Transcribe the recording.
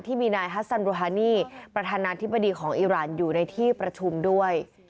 ที่มีนายฮัสซันโรฮานี่ประธานาธิบดีของอิราณอยู่ในที่ประชุมด้วย